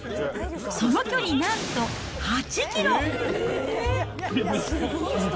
その距離なんと８キロ。